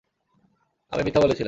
আমি মিথ্যা বলেছিলাম।